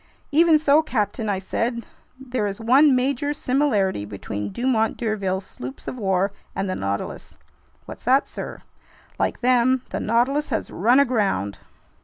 "Even so, captain," I said, "there is one major similarity between Dumont d'Urville's sloops of war and the Nautilus." "What's that, sir?" "Like them, the Nautilus has run aground!"